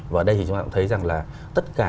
và đây thì chúng ta cũng thấy rằng là tất cả